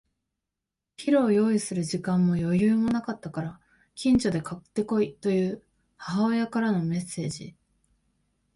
お昼を用意する時間も余裕もなかったから、近所で買って来いという母親からのメッセージ。